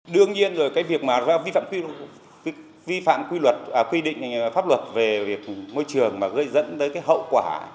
đương nhiên rồi cái việc mà vi phạm quy định pháp luật về môi trường mà gây dẫn tới cái hậu quả